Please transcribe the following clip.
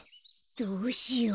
どうしよう。